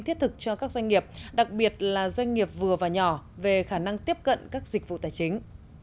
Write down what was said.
thiết thực cho các doanh nghiệp đặc biệt là doanh nghiệp vừa và nhỏ về khả năng tiếp cận các dịch vụ tài chính